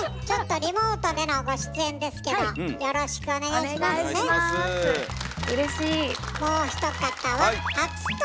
ちょっとリモートでのご出演ですけどよろしくお願いしますね。